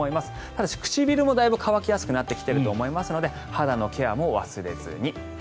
ただし唇もだいぶ渇きやすくなってきていると思いますので肌のケアも忘れずに。